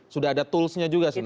sudah ada toolsnya juga sebenarnya